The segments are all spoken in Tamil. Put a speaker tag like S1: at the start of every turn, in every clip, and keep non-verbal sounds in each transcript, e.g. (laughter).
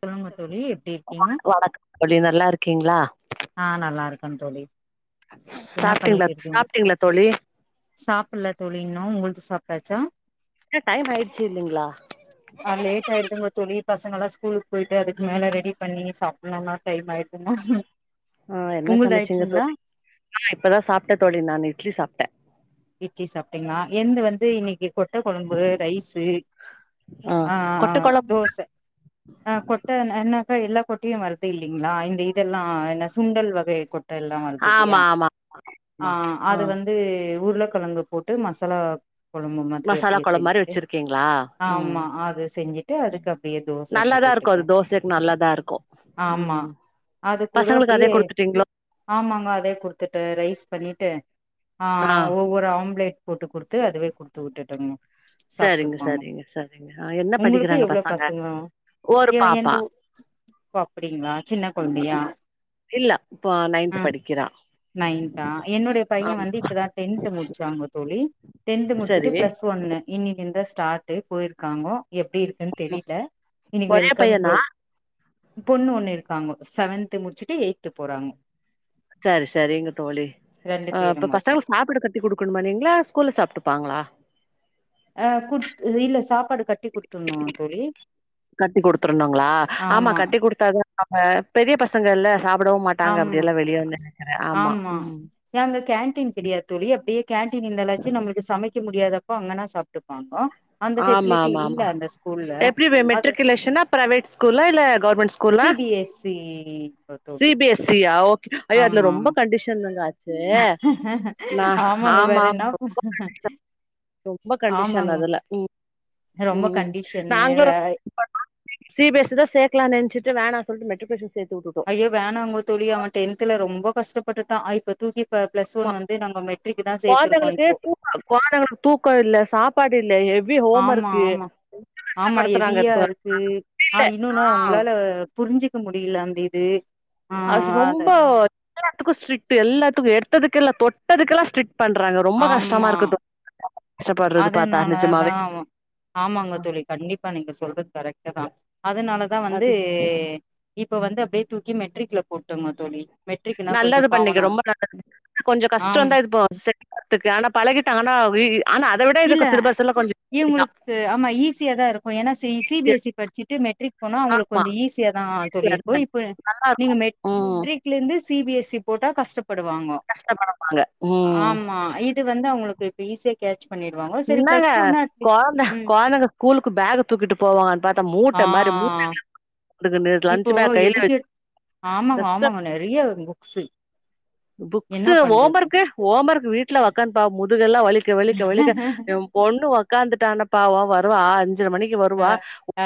S1: சொல்லுங்க தோழி எப்படி இருக்கீங்கோ
S2: வணக்கம் தோழி நல்லா இருக்கீங்களா
S1: ஆ நல்லா இருக்கேன் தோழி என்ன
S2: சாப்ட்டீங்களா சாப்ட்டீங்களா தோழி
S1: சாப்பிடல தோழி இன்னும் உங்கள்து சாப்ட்டாச்சா
S2: டைம் ஆயிடுச்சு இல்லைங்களா
S1: ஆ லேட் ஆயிருதுங்க தோழி பசங்க எல்லாம் ஸ்கூலுக்கு போயிட்டு அதுக்கு மேல ரெடி பண்ணி சாப்பிடணும்னா டைம் ஆயிடுதுங்க
S2: ஆ என்ன
S1: உங்கள்து
S2: சமச்சிங்க
S1: ஆயிடுச்சுங்களா
S2: தோழி ஆ இப்பதா சாப்ட்டேன் தோழி நானு இட்லி சாப்ட்ட
S1: இட்லி சாப்ட்டீங்களா என்து வந்து இன்னைக்கு கொட்ட கொழம்பு ரைஷு ஆ
S2: கொட்ட கொழம்பு
S1: தோச ஆ கொட்ட என்னக்கா எல்லா கொட்டையும் வருப்பிங்க இல்லைங்களா இந்த இதெல்லா என்ன சுண்டல் வகை கொட் ட்ட எல்லாம் வருது இல்லையா
S2: ஆமா ஆமா
S1: ஆ அது வந்து உருளைக்கிழங்கு போட்டு மசாலா கொழும்பு மாதிரி
S2: மசாலா
S1: அப்படியே
S2: கொழம்பு மாரி
S1: செஞ்சுட்டு
S2: வச்சிருக்கீங்களா ம்
S1: ஆமா அது செஞ்சுட்டு அதுக்கப்
S2: நல்லாதா இருக்கும் அது தோசைக்கு நல்லாதா இருக்கும்
S1: ஆம்மா அது கூட
S2: அதே
S1: அப்டியே
S2: குடுத்துட்டீங்களோ
S1: ஆமாங்க அதே குடுத்துட்டு ரைஸ் பண்ணிட்டு
S2: ஆ
S1: ஒரு ஆம்லேட் போட்டு குடுத்து அதுவே குடுத்து விட்டுட்டங்க
S2: சரிங்க
S1: சாப்ட்டுக்குவாங்க
S2: சரிங்க சரிங்க ஆ என்ன
S1: உங்களுக்கு
S2: படிக்கிறாங்க
S1: எவ்ளோ பசங்க
S2: ஒரு
S1: எ
S2: பாப்பா
S1: எந்த ஊர் ஒ அப்டிங்களா சின்ன கொழந்தையை
S2: இல்ல இப்போ நைன்த்
S1: அ
S2: படிக்கிறா
S1: நைன்த்தா என்னுடைய பைய
S2: ஆமா
S1: வந்து இப்பதா டென்த் முடிச்சாங்க தோழி டென்த்து முடிச்சுட்டு
S2: சரி
S1: ப்ளஸ் ஒன்னு இன்னி ந்தா ஸ்டார்ட்டு போயிருக்காங்கோ எப்டி இருக்குன்னு தெரியில இன்னக்கி
S2: ஒரே
S1: வெல்கம்
S2: பையனா
S1: ப்ரோ பொண்ணு ஒண்ணு இருக்காங்கோ செவன்த்து முடிச்சுட்டு எயி்ட்த்து போறாங்கோ
S2: சரி சரிங்க தோழி
S1: ரெண்டு
S2: அ
S1: பேரு
S2: இப்ப
S1: மட்டு
S2: பசங்க சுமாப்பிட கத் கட்டி குடுக்கணுமா நீங்க இல்ல ஸ்கூல்ல சாப்பிட்டுப்பாங்களா
S1: ஆ குத் இல்ல சாப்பாடு கட்டி குடுத்துன்ணு தோழி
S2: கட்டி குடுத்துருணுங்களா ஆமா கட்டி குடுத்தா அ பெரிய பசங்க இல்ல விடவு மாட்டாங்க
S1: ஆமா
S2: அப்டியெல்லா வெளிய வந்து நிக்கிற ஆம்மா
S1: ஏ அங்க கேண்டீன் கிடையா தோழி அப்டியே கேண்டீன் இருந்தாலாச்சு நம்மளுக்கு சமை க்க முடியாதப்போ அங்கனா சாப்ட்டுப்பாங்கோ அந்த
S2: ஆமா
S1: ஃபெசிலிட்டி
S2: ஆமா
S1: இல்ல
S2: ஆமா
S1: அந்த ஸ்கூல்ல
S2: எப்டி
S1: அது
S2: மெட்ரிகுலேசனா பிரைவேட் ஸ்கூல்ல இல்ல கவுர்மெண்ட் ஸ்
S1: சி பி எஸ் இ தோழி
S2: அப்டியா ஓகே அய்யோ அதுல
S1: ஆமா
S2: ரொம்ப
S1: ஆமா
S2: கண்டிஷன்ங்க காச்சே நா
S1: ஆமாங்க வேற
S2: ஆமா
S1: என்னா
S2: ரொம்ப கண்டிஷன் ரொம்ப கண்டிஷன்
S1: ஆமாங்க
S2: அதுல ம்
S1: ரொம்ப
S2: ம்
S1: கண்டிஷனு
S2: நாங்களு ரொம்ப (unintelligible) சி பி எஸ் சிதா சேக்கலானு நெனச்சுட்டு வேணா சொல்ட்டு மெட்ரிகுலேசன் சேத்து வுட்டுட்
S1: ஐயோ வேணாங்க தோழி அவன் டென்த்துல ரொம்ப கஷ்டப்பட்டுட்டா இப்ப தூக்கி இப்ப ப்பிளஸ்
S2: ஆமா
S1: ஒன் வந்து நாங்க மெட்ரிக்கு தா சேத்திருக்கோ இப்போ
S2: அ கொழந்தைங்களுக்கு தூக்கோ இல்ல சாப்பாடு இல்ல எது
S1: ஆமா ஆமா ஆமா ஹெவியா
S2: இப்ப
S1: இருக்கு ஆ இன்னொன்னு உங்களால புரிஞ்சிக்க முடியல அந்த இது ஆ
S2: அது ரொம்ப எல்லாத்துக்கு ஸ்ட்ரீயிட்டு எல்லாத்துக்கு எடுத்ததுக்கெல்லா தொட்டதுக்கெல்லா ஸ்ட்ரீயிட் பண்றாங்க ரொம்ப கஷ்டமா
S1: ஆமா
S2: இருக்குது (unintelligible) கஷ்டப்படுறது பாத்தா
S1: அதனாலதா
S2: நிஜமாவே
S1: ஆமாங்க
S2: ஆ
S1: தோழி கண்டிப்பா நீங்க சொல்றது கரெக்ட் தா அதுனாலதா வந்து
S2: அது
S1: இப்ப வந்து அப்டியே தூக்கி மெட்ரிக்ல போட்டுங்க தோழி மெட்ரிக்னா கொஞ்சோ
S2: நல்லது பண்ணீங்க
S1: பாவனா
S2: ரொம்ப நல்லது கொஞ்சோ
S1: ஆம்
S2: கஷ்டோந்தா இருக்கு சே அதுக்கு ஆனா பழகிட்டாங்கன்னா ஆனா அத விட
S1: இல்ல
S2: இதுக்கு சிலபர்ஸ்ல்லா கொஞ்சோ கம்மிதா
S1: இவங்களுக்கு ஆமா ஈஸியா தா இருக்கு ஏனா C C B S C படிச்சிட்டு மெட்ரிக் போனா அவுங்களுக்கு
S2: ஆமா
S1: கொஞ்சோ ஈிசியா தா தோழி
S2: அது
S1: சொல்லியிருக்கோ இப்ப
S2: நல்லா
S1: நீங்க
S2: இருக்கு
S1: மெட்ரிக்
S2: ம்
S1: மெட்ரிக்கல இருந்து சி பி எஸ் சி போட்டா கஷ்டப்படுவாங்க
S2: கஷ்டப்படமாட்டாங்க ம்
S1: ஆமா இது வந்து அவுங்களுக்கு ஈஸியா கேச் சரி
S2: என்னங்க
S1: பிளஸ்டூனா
S2: கொழந்த கொழந்தைங்க ஸ்கூலுக்கு பேக் தூக்கிட்டு போவாங்கன்னு பாத்தா
S1: ஆ
S2: மூட்ட மாரி மூட்ட மாட்டிகுனு லன்ச்
S1: இப்போ
S2: பேக் கைல
S1: எதுக்கு ஆமாங்க
S2: வச்சு
S1: ஆமாங்க நெறைய புக்ஸு என்ன
S2: புக்ஸூ
S1: பண்றது
S2: ஹோமொர்க்கு ஹோமொர்க் வீட்ல வக்கன்ட்டா முதுகெல்லா வலிக்க வலிக்க வலிக்க எ பொண்ணு ஒக்காந்துட்டான பாவோ வருவா ஆ அஞ்சர மணிக்கு
S1: அ
S2: வருவா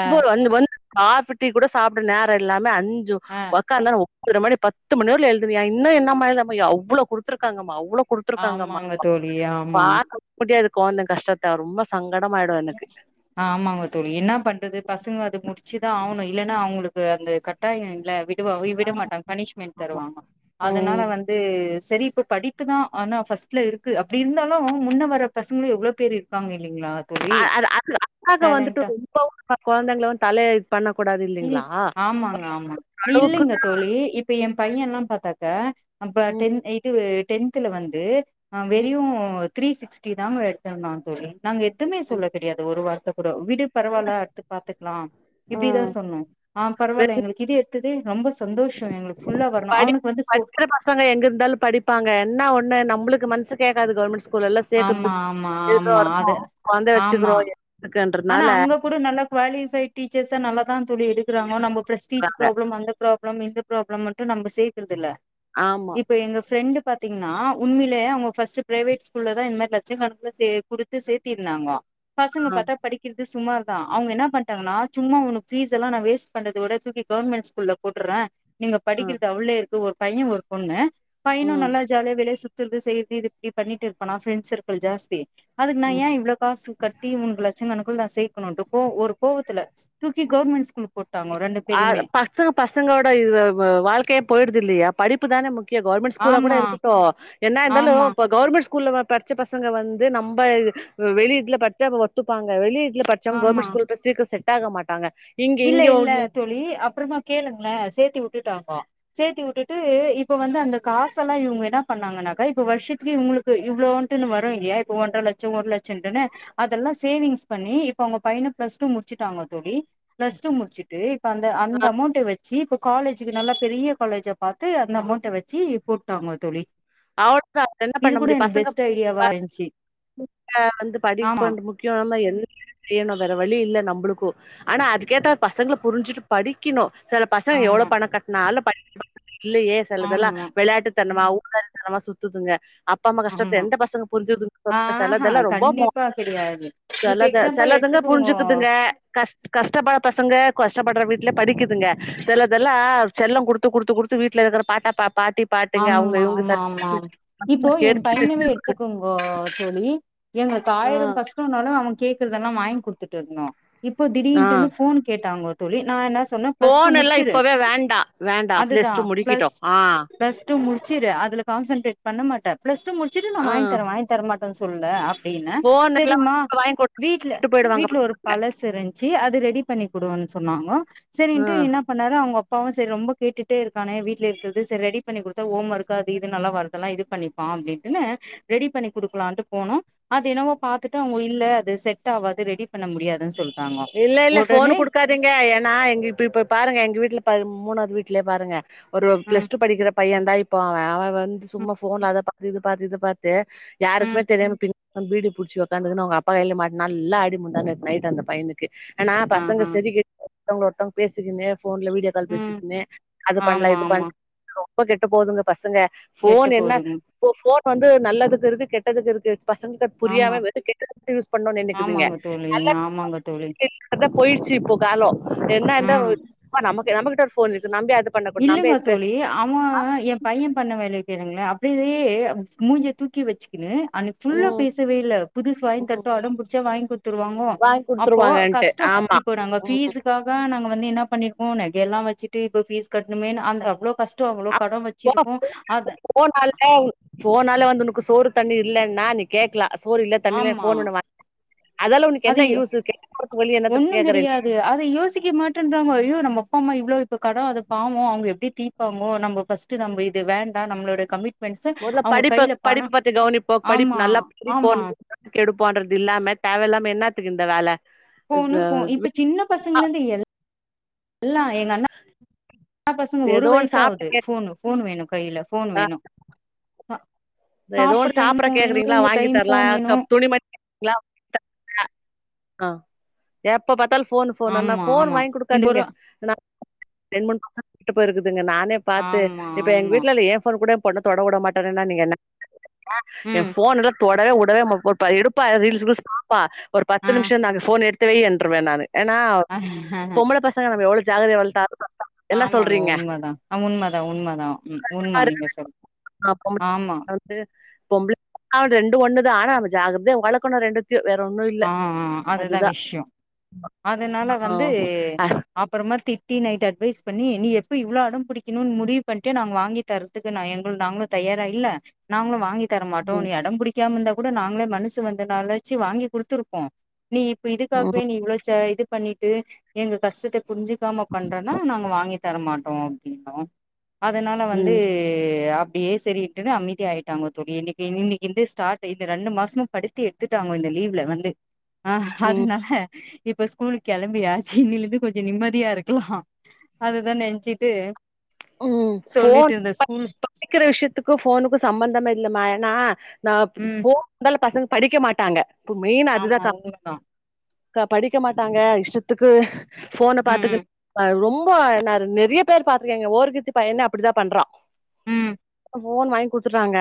S1: அ
S2: அஞ்சு மணிக்கு காப்பி டீ கூட சாப்ட நேர இல்லாம அஞ்சு
S1: அ
S2: ஒக்காந்தானா ஒம்பதற மணி பத்து மணிவர்லியு எழுதுவியா இன்னு என்னம்மா என்னாம்மா‌ எழு அவ்ளோ குடுத்துருக்காங்கம்மா அவ்ளோ குடுத் த்துருக்காங்கம்மா
S1: ஆமாங்க
S2: அப்டின்பா
S1: தோழி ஆமா
S2: பாக்க முடியாது கொழந்த கஷ்டத்த ரொம்ப சங்கடமாயிடு எனக்கு
S1: அ ஆமாங்க தோழி என்ன பண்றது பசங்க அது முடிச்சுதா ஆவுணோ இல்லன்னா அவங்ளுக்கு அந்த கட்டாயோ இல்ல விடுவா விட மாட்டாங்க பனிஷ்மென்ட் தருவாங்கோ
S2: ம்
S1: அதனால வந்து செரி இப்ப படிப்புதா ஆனா ஃபர்ஸ்ட்ல இருக்கு அப்டி இருந்தாலும் முன்ன வர பசங்ளோ எவ்ளோ பேரு இருப்பாங்க இல்லிங்ளா
S2: அ அது அ அக்காக்கு வந்துட்டு ரொம்பவு கொழந்தைங்கள வந் தலைய இது பண்ண கூடாது
S1: இல்
S2: இல்லிங்ளா
S1: ஆமாங்க ஆமா நீ இல்லைங்க தோழி இப்ப எ பையன்லா பாத்தாக்கா நம்ப
S2: ம்
S1: டென் இதுவு டென்த்துல வந்து அ
S2: ம்
S1: வெறியும் த்ரீ சிக்ஸ்டி தாங்க எடுத்துர்ந்தா தோழி நாங்க எதுமே
S2: ம்
S1: சொல்ல கெடயாது ஒரு வார்த்த கூட விடு பரவால்ல அடுத்து பாத்துக்கலா
S2: ஆ
S1: இப்டிதா சொன்னோ ஆ பரவால்ல
S2: வெறும்
S1: எங்களுக்கு இது எடுத் ததே ரொம்ப சந்தோஷோ எங்ளுக்
S2: படி படிக்கிற பசங் க எங்க இருந்தாலு படிப்பாங்க என்னா ஒன்னு நம்புளுக்கு மனசு கேக்காது கவர்மெண்ட் ஸ்கூல்லல்ல
S1: ஆமா
S2: சேக்குற்துக்
S1: ஆமா
S2: இப்ப இக்குறோ
S1: ஆமா
S2: வரணூ
S1: அது
S2: கொழந்தய
S1: ஆமா
S2: வச்சுக்கிறோ இல்லயா
S1: ஆனா அங்க கூட நல்ல குவாலிஃபைடு் டீச்சர்ஸா நல்லா தோழி எடுக் குறாங்க நம்போ பிரஸ்டீஜ் ப்ராப்ளம் அந்த ப்ராப்ளம் இந்த ப்ராப்ளம் மட்டும் நம்ப சேக்குற்துல்ல
S2: ஆமா
S1: இப்ப எங்க ஃப்ரெண்டு பாத்தீங்கன்னா உண்மேலேயே அவங்க ஃபர்ஸ்ட்டு பிரைவேட் ஸ்கூல்ல தா இந் மாரி லட்சங்கணக்கல சேத் குடுத்து சேத்திருந்தாங்கோ பசங்க
S2: ஆ
S1: பாத்தா படிக்கிறது சுமார் தா அவங்க என்ன பண்டாங்னா சும்மா உனுக் ஃபீஸ்ல்லா நா வேஸ்ட் பண்றத விட தூக்கி கவர்மெண்ட் ஸ்கூல்ல போட்டுர்றே நீங்க
S2: ஆ
S1: படிக்கிறது அவ்ளோ இருக்கு ஒரு பையன் ஒரு பொண்ணு பையனு
S2: ம்
S1: நல்லா ஜாலியா வெளிய சுத் துறது செய்றது இப்டி பண்ணிட்டு இருப்பானா ஃப்ரெண்ட் சர்க்கள் ஜாஸ்தி அதுக்கு நா
S2: ம்
S1: ஏ இவ்ளோ காசு கட்டி உங்ள லட்சங்கணக்குள்ள நா சேக்கணும்ட்டு கோ ஒரு கோவத்துல தூக்கி கவர்மெண்ட் ஸ்கூல்ல போட்
S2: அ பத்து பசங்கோட இல் வாழ்க்கயே போயிடுது இல்லயா படிப்பு தான முக் கவர்மெண்ட் ஸ்கூல்லா கூட
S1: ஆமா
S2: இருக்கட்டூ என்ன இருந்தாலு
S1: ஆமா
S2: இப்ப கவர்மெண்ட் ஸ்கூல்ல தா படிச்ச பசங்க வந்து நம்ப வெளீட்டுல பச்சா ஒத்துப்பாங்க வெளீட்டுல பச் சவங்
S1: ஆமா
S2: கவர்மெண்ட் ஸ்கூல்ல சீக்கிரோ செட் ஆக மாட்டாங்க இங்க
S1: இல்ல
S2: இங்க
S1: இல்ல தோழி அப்றமா கேளுங்ளே சேத்தி உட்டுட்டாங்கோ சேத்தி உட்டுட்டு இப்ப வந்து அந்த காசல்லா இவங்க என்ன பண்ணாங்கன்னாக்கா இப்ப வருஷத்துக்கே இவங்ளுக் கு இவ்ளோன்ட்டுன்னு வரூ இல்லயா இப்ப ஒன்றர லட்சம் ஒரு லட்சம்ன்ட்டுன்னு அதெல்லா சேவிங்ஸ் பண்ணி இப்ப அவங்க பையன பிளஸ் டூ முடிச் சிட்டாங்க தோழி பிளஸ் டூ முடிச்சுட்டு இப்ப அந்த அந்த அமௌண்ட வச் சி இப்ப காலேஜுக்கு நல்லா பெரிய காலேஜா பாத்து அந்த அமௌண்ட்ட வச்சு போட்டாங்க தோழி
S2: அவ் தா என்ன
S1: இது
S2: பண்ண
S1: கூட
S2: முடியும்
S1: எனக்கு
S2: பசங்க
S1: பெஸ்ட் ஐடியாவா இருந்துச்சு
S2: வந்து
S1: ஆமா
S2: படிப்புன் முக் கியமா என்ன செய்யணோ வேற வழி இல்ல நம்புளுக்கு ஆனா அதுக்கேத்த பசங்ள புரிஞ்சுட்டு படிக்கிணூ சில பசங்க எவ்ளோ
S1: ஆமா
S2: பண கட்னாலும் (inaudible) இல்லயே சிலதெல்லா
S1: ஆமா
S2: வெளாட்டு தனமா ஊதாரி தனமா சுத்துதுங்க அப் அப்பா அம்மா கஷ்டத்த
S1: ஆமா
S2: எந்த பசங்க புரிஞ்சுது
S1: ஆஹா
S2: செலதெல்லா ரொம்ப மோ
S1: கண்டிப்பா கெடையாது இப்ப
S2: செலதெ ங்க
S1: எக்ஸாம்பிள்
S2: செலதுங்க
S1: எடுத்துக்குங்கோ
S2: புரிஞ்சுக்குதுங்க கஷ் கஷ்டப்ப பசங்க கஷ்டப்பட்ற வீட்ல படிக்குதுங்க செலதெல்லா செல்லம் குடுத்து குடுத்து குடுத் த்து வீட்ல இருக்குற பாட்டா பா பாட்டி பாட்டுங்க அவங்க
S1: ஆமா
S2: இவங்க
S1: ஆமா
S2: சல்
S1: ஆமா இப்போ என் பையனவே எடுத்துக்கோங் க தோழி எங்ளுக்
S2: ஆ
S1: ஆயிர கஷ்டனாலு அவன் கேக்குறதெல்லா வாங்கி குடுத்துட்டு இருந்தோ இப்போ
S2: ஆ
S1: திடீன்ட்டுன்னு ஃபோனு கேட்டாங்க தோழி நா என்ன சொ சொன்னா பிளஸ் டூ
S2: போன் எல்லாம்
S1: முடிச்சுடு
S2: இப்பவே வேண்டா வேண்டா
S1: அதுதா
S2: பிளஸ் டூ
S1: பிளஸ்
S2: முடிக்கிட்டோம் ஆ
S1: பிளஸ்டூ முடிச்சுரு அதுல கான்சன்ட்ரேட் பண்ண மாட்ட பிளஸ் டூ முடிச்சட்டு நா
S2: ஆ
S1: வாங்கிதரே வாங்கி தரமாட்டோன் சொல்லலே அப்டின்னு
S2: போன் எல்லாம்
S1: சேரிமா
S2: வாங்கி குடுத்து
S1: வீட்டுல
S2: விட்டு போயிடுவாங்க
S1: வீட்டுல ஒரு
S2: பசங்க
S1: பழ செரிஞ்சி அது ரெடி பண்ணி கொடுன்னு சொன்னாங்க சேரின்ட்டு
S2: ஆ
S1: என்ன பண்ணாலு அவங்க அப்பாவு சேரி ரொம்ப கேட்டுட்டே இருக்கானே வீடல இருக்கிறது சேரி ரெடிப் பண்ணி கொடுத்தா ஹோம் ஒர்க் அது இது நல்லா வரதல்லா இது பண்ணிபா அப்டின்ட்டுனு ரெடி பண்ணி கொடுக்கலான்ட்டு போனோ அது என்னவோ பாத்துட்டு அவங்க இல்ல அது செட் ஆவாது ரெடி பண்ண முடியாதுன்னு சொல் ராங்கே உடனே
S2: ங்கே ஏனா எங்க இ இப்ப பாருங்க எங்க வீட்டுல மூணது வீட்டலயே பாருங்க ஒரு
S1: ம்
S2: பிளஸ் டூ படிக்கிற பைய தா இப்ப அவன் அவன் வந்து
S1: ம்
S2: சும்மா போன்ல அத பாத்து இது பாத்து இது பாத்து
S1: ம்
S2: யாருக்குமே தெரியாம பின் பீடு பிடிச்சு உக்காதுன்ன அவங்க அப்பா கையல மாட்டுனா நல்லா அடி முந்த நேத்து நைட்டு அந்த பையனுக் ஆனா பசங்க
S1: ஆஹா
S2: சேரி கே ஒருத்தவங்க ஒருத்தவங்க பேசிக்கின்னு போன்ல வீடியோ (unintelligible)
S1: ம்
S2: வச்சுக்குன்னு அது பண்ணலா
S1: ஆமா
S2: இது
S1: ஆமா
S2: பண்ல ரொம்ப கெட்டு போகுதுங்க பசங்க
S1: கெட்டு
S2: போன் என்ன
S1: போதுங்க
S2: போ போன் வந்து நல்லதுக்கு இருக்கு கெட்டதுக்கு இருக்கு பசங்களுக்
S1: ஆமா
S2: புரியாம வெறு கெட்டதுக்கு மட்டு யூஸ் பண்ணணு நினைக்குதுங்க
S1: ஆமாங்க தோழி
S2: நல்ல
S1: ஆமாங்க தோழி
S2: அத போயிடுச்சு இப்போ கால
S1: ஆ
S2: என்னந்த நமக்கு நம்மகிட்ட ஒரு போன் இருக்கு நம்பி அத பண்ணக்கூட நாம்ம (inaudible)
S1: ஆமா ஏ பையன் பண்ண வேலை கேளுங்களே அப்டியே மூஞ்சி தூக்கி வச்சுக்கின்னு அன்னைக்கு புல்லா
S2: ம்
S1: பேசவே இல்ல புதுசு வாங்கி
S2: ம்
S1: தரட்டு அடம்பிடிச்ச வாங்கி குடுத் தருவாங்கோ
S2: வாங்கி
S1: அப்போ
S2: குடுத்துருவாங்கன்ட்டு
S1: கஷ்ட
S2: ஆமா
S1: இப்போ நாங்க
S2: ம்
S1: பீஸ்க்க நாங்க வந்து என்ன பண்ணிருக்கோ நகை எல்லா வச்சுட்டு இப்ப பீஸ் கட்டணுமே அந்த அவ்ளோ கஷ்ட அவ்ளோ கடன் வச்
S2: (inaudible) போனாலே போனாலு வந்து உனக்கு சோறு தண்ணி இல்லைன்னா நீ கேக்கலா சோறு இல்ல தண்ணியில்ல
S1: ஆமா
S2: போன் பண்ண அதால உனக்கு என்ன
S1: அது
S2: யூஸ் (inaudible) என்ன
S1: ஒண்ணு
S2: கேக்குற
S1: கெடையாது அத யோசிக்க மாட்டேன்றாங்க அய்யோ நம்ம அப்பா அம்மா இவ்வளவு இப்ப கடன் அத பாவம் அவங்க எப்படி தீ ப்பாங்கோ நம்ம பஸ்ட் நம்ம இது வேண்ட நமளோட கமி்ட்
S2: முதல்ல படிப்பு படிப்பு பத்தி கவனிப்போ படிப்பு
S1: ஆமா
S2: நல்லா
S1: ஆமா
S2: படிப்போம் எடுப்போன்றது இல்லாம தேவையில்ல்லாம என்னத்துக்கு இந்த வேலை
S1: போனு போன் இப்ப சின்ன பசங்கல இருந்து எல் எல்லா எங்க அண்ணா ஆ பசங்க ஒரு
S2: ஏதோ ஒன்னு
S1: வயச
S2: சாப்ட
S1: ஆகுது
S2: கேக்
S1: போனு போன் வேணு கையில போன் வேணு
S2: எதோ
S1: சாப்புட்ற
S2: ஒன்னு
S1: டைம்
S2: சாப்பிடற
S1: ஃபோன் வேணு
S2: கேக்குறீங்களா
S1: தூங்குற
S2: வாங்கி
S1: டைம்
S2: தரல
S1: ஃபோன் வேணு
S2: துணிமணி ஆ (inaudible) எப்ப பத்தாலும் போன் போனுனா
S1: ஆமா
S2: போன்
S1: ஆமா
S2: வாங்கி
S1: இந்த
S2: கொடுக்காதீங்க
S1: ஒரு
S2: ரெண்டு மூணு பசங்க கெட்டுப் போயிருக்குதுங்க நானே பாத்து
S1: ஆமா
S2: இப்ப எங்க
S1: ஆமா
S2: வீட்டுல ஏ போன்ன கூட பொண்ண தொட உட மாட்டேன்னா நீங்க என்ன ஆ ஏ
S1: ம்
S2: போன்னெல்லா தொடவே உடவே மாட் எடுப்பா ரீல்ஸ் கில்ஸ்பாப்பா ஒரு
S1: ஆ
S2: பத்து நிமிஷ தா போன்னே எடுத்துவை என்றுவே நானு ஏனா பொம்பளை பசங்க நம்ம எவ்வளவு ஜாக்கரதைய வளத்தாலு என்ன
S1: ஆமாங்க
S2: சொல்றீங்க
S1: உண்மை தா ஆ உண்மை தா உண்மை தா உண்மை
S2: பாரு
S1: நீங்க சொல்
S2: நான் பொம்பள
S1: ஆமா
S2: பசங்க வந்து பொம்பளை ரெண்டு ஒண்ணுதா ஆனா அத ஜாக்கிரதைய வளக்கணு ரெண்டத் வேற ஒன்னு இல்ல
S1: ஆ ஆ
S2: அதுதா
S1: விஷ்யோ அதனால வந்து அப்பறமா திட்டி நைட் அட்வைஸ் பண்ணி நீ எப்போ இவ்வளோ அடம் புடிக்குனு முடிவு பண்ணிட்டு நா வாங்கி தரதுக்கு நா எங்க நாங்களு தயாரா இல்ல நாங்களு வாங்கி தரமாட்டோ
S2: ம்
S1: நீ அடம் பிடிக்காம இருந்தா கூட நாங்களே மனசு வந்துனாலாச்சு வாங்கி கொடுத்துருப்போ நீ இப்ப இதுக்காகவே
S2: ம்
S1: நீ இவ்வளவு ச இது பண்ணிட்டு எங்க கஷ்டத்தை புரிஞ்சுக்காம பண்றன்னா நாங்க வாங்கி தரமாட்டோ அப்டின்னோ அதனால வந்து
S2: ம்
S1: டியே சரிட்டுனு அமைதிய ஆகிட்டாங்க தோழி இன்னைக்கு இன்னைக்கின்டு ஸாடட் இந்த ரெண்டு மாசமு படித்தி எடுத்துட்டாங்க இந்த லீவ்ல ஆ
S2: ம்
S1: அதனால இப்ப ஸ்கூலுக்கு கிளம்பியாச்சி இன்னையில இருந்து கொஞ்ச நிம்மதியா இருக்கலா அததா நெனைச்சிட்டு
S2: ம் ஃபோன் கிடைக்கிற விஷயத்துக்கு ஃபோனுக்கு சம்பந்தமே இல்லமா ஏன்னா நா
S1: ம்
S2: ஃபோன் இருந்தாலு பசங்க படிக்க மாட்டாங்க இப்ப மெயின் அதுதா
S1: ஆமா
S2: அக்கா
S1: உண்மதா
S2: கா படிக்க மாட்டாங்க இஷ்டத்துக்கு ஃபோன
S1: ம்
S2: பாத்துக்கின் ரொம்ப இப்ப நா நெறைய பேர் பாத்துயிருக்கேங்க ஓர்கித்தி பையனே அப்படிதா பண்றான்
S1: ம்
S2: ஃபோன் வாங்கி குடுத்துட்டாங்க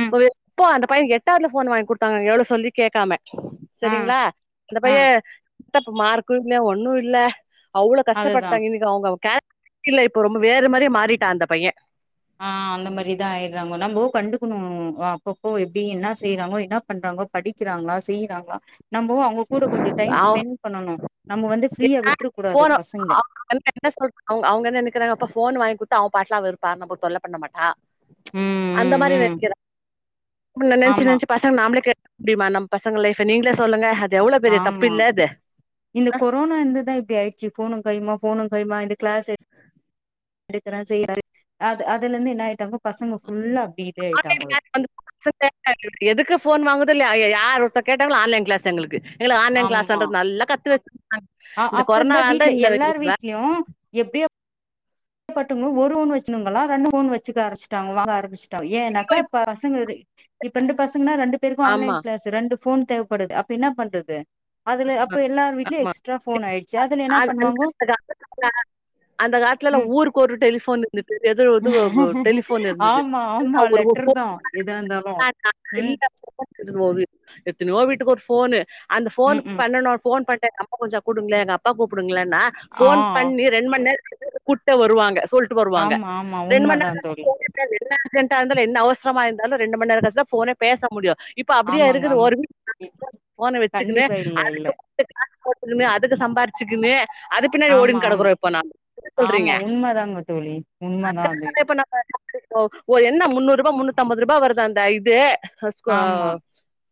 S1: ம்
S2: எப்ப அந்த பை பையன் எட்டாவதுல ஃபோன் வாங்கி குடுத்தாங்க எவ்வளவு சொல்லி கேட்காம
S1: ஆ
S2: சரிங்களா அந்த
S1: ஆ
S2: பையன் விட்ட மார்க்கு இல்ல ஒண்ணு இல்ல அவ்ளோ
S1: அதுதா
S2: கஷ்டப்பட்டாங்க இன்னைக்கு அவுங்க கே இல்ல இப்ப ரொம்ப வேற மாரி மாறிட்டா அந்த பைய
S1: ஆ அந்த மாரிதா ஆயிட்றாங்க நம்மோ கண்டுக்கணு அப்பப்போ எப்படி என்ன செய்யறாங்கோ என்னா பண்றாங்கோ படிக்கிறாங்களா செய்யிறாங்களா நம்போ அவுங்க கூட கொஞ்ச டைம்
S2: அவ
S1: ஸ்பெண்ட் பண்ணனு நம்ம வந்து ஃப்ரீயா
S2: ஏன்னா
S1: விட்றக் கூடாது
S2: ஃபோன
S1: பசங்களை
S2: அவங்க வந்து என்ன சொல்ராங்க அவுங்க அவுங்க என்ன நினைக்கிறாங் அப்ப ஃபோன் வாங்கி கொடுத்த அவன் பாட்லா இருப்பா நம்மல தொல்ல பண்ண மாட்டா
S1: ம்
S2: அந்த
S1: ம்
S2: மாரி
S1: ம்
S2: நெனைக்கிற நெனைச்சி
S1: ஆமா
S2: நெனைச்சி பசங்க நாமளே கெடுக்க முடியுமா நம்ம பசங்க லைஃப்ப நீங்களே சொல்லுங்க எவ்ளோ பெரிய தப்பு
S1: ஆமா
S2: இல்ல அது
S1: இந்த கொரோனா இருந்துதா இப்படி ஆயிடுச்சி ஃபோனு கையுமா ஃபோனு கையுமா இது க்ளாஸ் எடு எடுக்கறே செய்யறது அது அதுலருந்து என்ன ஆயிட்டாங்க பசங்க ஃபுல்லா அப்படி இதே ஆயிட்டாங்களு
S2: அந்த பசங்க எதுக்கு ஃபோன் வாங்குதோ இல்லையோ ஐயயோ யார் ஒருத்த கேட்டாங்களோ ஆன்லைன் கிளாஸ் எங்களுக்கு எங்களுக்கு ஆன்லைன்
S1: ஆமா
S2: கிளாஸ்தானு நல்லா கத்து வச்சி
S1: ஆ அப்பந்தா வீட்ல எல்லார் வீட்லையு எப்டியோ பட்டுங்க ஒரு ஃபோன் வச்சிணவங்களா ரெண்டு ஃபோன் வச்சிக்க ஆரம்பிச்சிட்டாங்கலா வாங்க ஆரம்பிச்சிட்டாங்க ஏன்னாக்கா பசங்க இப்ப ரெண்டு பசங்கன்னா ரெண்டு பேருக்கு ஆன்லைன்
S2: ஆமா ஆமா
S1: கிளாஸ் ரெண்டு ஃபோன் தேவப்படுது அப்ப என்ன பண்றது அதுல அப்ப எல்லார் வீட்டுலையு
S2: ஆமா.
S1: எக்ஸ்ட்ரா ஃபோன் ஆயிடுச்சி அதுல என்ன
S2: அது
S1: பண்ணுவாங்கோ
S2: அந்த அந்த காலத்துல எல்லா
S1: ம்
S2: ஊருக்கு ஒரு டெலிஃபோனு இது இது டெலிஃபோன் இருந்தது
S1: ஆமா ஆமா லெட்டர்தா எதா இருந்தாலு ம்
S2: (unintelligible) எத்தனையோ வீட்டுக்கு ஒரு ஃபோனு அந்த ஃபோனு
S1: ம் ம்
S2: ஃபோன் பண்ட்டே அம்மா கொஞ்ச கூப்டுங்களே எங்க அப்பா கூப்பிடுங்களன்னா
S1: ஆ
S2: ஃபோன் பண்ணி ரெண்டு மந்நேர கழிச்சுதா கூட்டே வருவாங்க சொல்லிட்டு வருவாங்க
S1: ஆமா ஆமா
S2: ரெண்டு
S1: உண்மதா
S2: மந்நேர (inaudible)
S1: தோழி
S2: அது என்ன அர்ஜன்டா இருந்தாலு என்ன அவசரமா இருந்தாலு ரெண்டு மந்நேர கழிச்சிதா ஃபோனே பேச முடியு இப்ப அப்படியா
S1: ஆமாங்க
S2: இருக்குது ஒரு
S1: ஆமா
S2: ஃபோனா வச்சிக்குனே
S1: கண்டிப்பா இல்ல இல்ல
S2: காசு போடணுமே அதுக்கு சம்பாிச்சிக்குனே அதுக்கு பின்னாடி
S1: ஆமா
S2: ஓடின்னு
S1: ஆமா
S2: கிடக்குறோ இப்போ நாம என்ன
S1: ஆமா
S2: சொல்றீங்க
S1: உண்மதாங்க தோழி உண்மதா
S2: அதுக்காக
S1: அது
S2: இப்ப நம்ம ஓ ஓ என்ன முன்னூறு ரூபா முன்னூத்தி அம்பது ரூபா வருது அந்த இது
S1: ஆமா
S2: (unintelligible)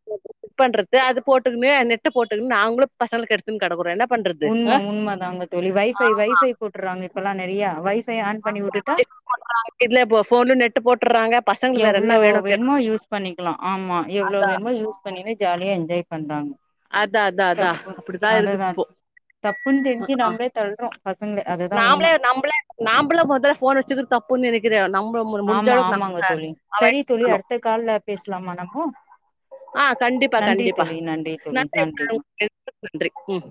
S2: புக் பண்றது அது போட்டுக்குனே போட்டுக்கனு நாங்களு பசங்கள கெடுத்துன்னு கடக்கறோ என்னப்
S1: உண்ம உண்மதாங்க தோழி வைஃபை வைஃபை போட்டறாங்க இப்பெல்லா நிறைய வய
S2: (unintelligible) போட்டுறாங்க இதுல ஃபோன் நெட்டு போட்டறாங்க
S1: எவ்ளோ வேணுமோ யூஸ் பண்ணிக்கலா ஆமா எவ்வளளோ வேணுமோ யூஸ் இப்ப இருந்தே ஜாலியா என்ஜாய் பண்றாங்க
S2: அதான் அதான் அதா
S1: தப்பு
S2: அப்படித்தான் இருக்குது
S1: அதுதா
S2: இப்போ
S1: தப்புன்னு தெரிஞ்சு
S2: ஆ
S1: நம்பளே தள்றோம் பசங்கள அதுதான் உண்ம
S2: நா மொதல்ல ஃபோன் அடிச்சது தப்புன்னு நெனைக்கிறேன் நம்ம முடிஞ்ச
S1: ஆமா
S2: அளவுக்கு
S1: ஆமாங்க
S2: நம்ம
S1: தோழி சரி
S2: அவாயிட்
S1: தோழி அடுத்த கால்ல பேசலாமா நம்மோ
S2: ஆ கண்டிப்பா
S1: நன்றி
S2: கண்டிப்பா
S1: தோழி நன்றி
S2: (unintelligible)
S1: தோழி நன்றிங்க ஆ
S2: நன்றி ம்